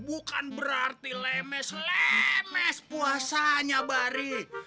bukan berarti lemes lemes puasanya balik